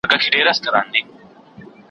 زه هره ورځ د سبا لپاره د هنرونو تمرين کوم!.